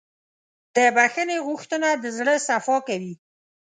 د بښنې غوښتنه د زړه صفا کوي.